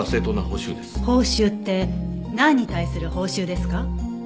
報酬って何に対する報酬ですか？